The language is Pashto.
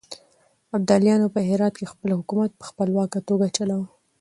ابداليانو په هرات کې خپل حکومت په خپلواکه توګه چلاوه.